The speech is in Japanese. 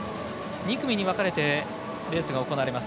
２組に分かれてレースが行われます。